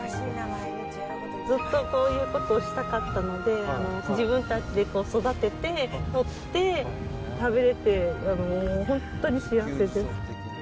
ずっと、こういうことをしたかったので、自分たちで育てて、取って、食べるっていう、本当に幸せです。